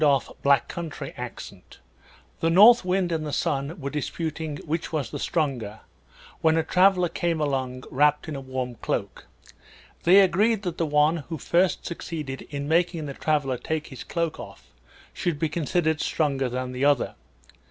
Orthographic version The North Wind and the Sun were disputing which was the stronger, when a traveler came along wrapped in a warm cloak. They agreed that the one who first succeeded in making the traveler take his cloak off should be considered stronger than the other.